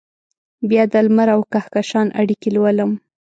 بیا دلمر اوکهکشان اړیکې لولم